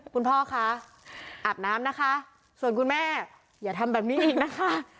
คุณพ่อคะอาบน้ำนะคะส่วนคุณแม่อย่าทำแบบนี้อีกนะคะ